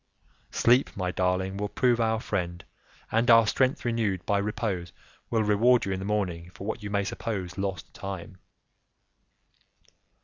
"Sleep, my darling, will prove our friend, and our strength renewed by repose will reward you in the morning for what you may suppose lost time."